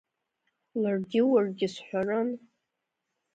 Ларгьы, уаргьы сҳәарын…